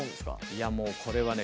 いやもうこれはね